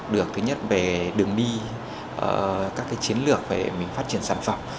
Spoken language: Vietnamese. được thứ nhất về đường đi các chiến lược về mình phát triển sản phẩm